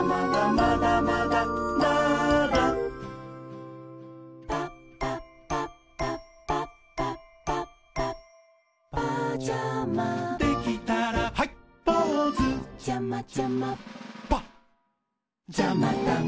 「まだまだまーだ」「パッパッパッパッパッパッパッパッパジャマ」「できたらはいポーズ」「パッじゃまたね」